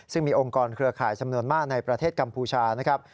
ซึ่งมีองค์กรเครือข่ายจำนวนมากในประเทศกัมพูชานะครับ